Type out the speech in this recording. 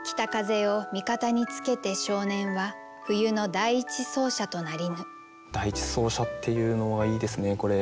「第一走者」っていうのはいいですねこれ。